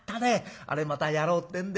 あれまたやろうってんでしょ？